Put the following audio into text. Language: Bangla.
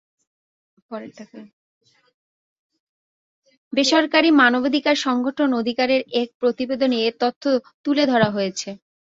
বেসরকারি মানবাধিকার সংগঠন অধিকারের এক প্রতিবেদনে এ তথ্য তুলে ধরা হয়েছে।